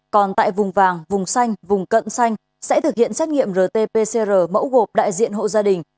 còn tại vùng vàng vùng xanh vùng cận xanh sẽ thực hiện xét nghiệm rt pcr mẫu gộp đại diện hộ gia đình